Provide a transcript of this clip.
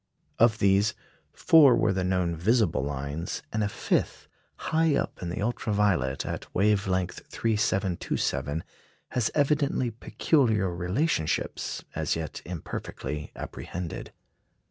Of these, four were the known visible lines, and a fifth, high up in the ultra violet, at wave length 3,727, has evidently peculiar relationships, as yet imperfectly apprehended.